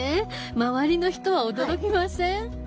周りの人は驚きません？